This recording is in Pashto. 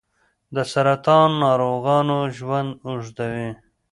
د سرطان ناروغانو ژوند اوږدوي.